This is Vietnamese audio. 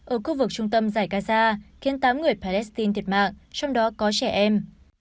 ở khu vực trung tâm zagaza khiến tám người palestine thiệt mạng trong đó có trẻ em